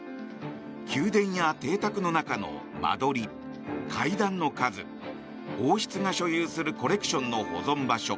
宮殿や邸宅の中の間取り、階段の数王室が所有するコレクションの保存場所